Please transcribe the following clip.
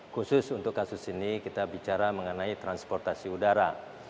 khusus untuk kasus ini kita bicara mengenai transportasi udara